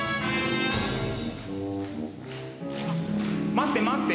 待って待って。